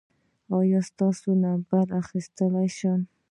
ایا زه ستاسو نمبر اخیستلی شم؟